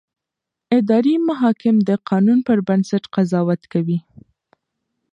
اداري محاکم د قانون پر بنسټ قضاوت کوي.